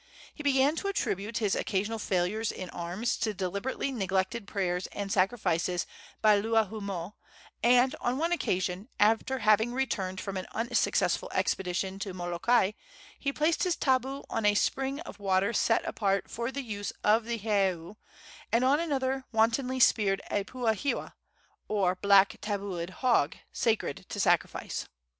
He began to attribute his occasional failures in arms to deliberately neglected prayers and sacrifices by Luahoomoe, and on one occasion, after having returned from an unsuccessful expedition to Molokai, he placed his tabu on a spring of water set apart for the use of the heiau, and on another wantonly speared a puaa hiwa, or black tabued hog, sacred to sacrifice.